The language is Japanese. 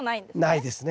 ないですね。